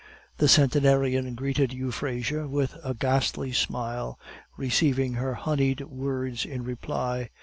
The centenarian greeted Euphrasia with a ghastly smile, receiving her honeyed words in reply.